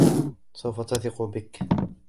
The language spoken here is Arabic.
سوف تثق بك.